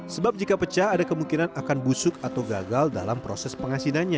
sebab jika pecah ada kemungkinan akan busuk atau gagal dalam proses pengasinannya